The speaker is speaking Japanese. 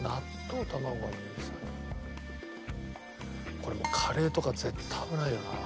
これもうカレーとか絶対危ないよな。